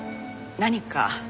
何か？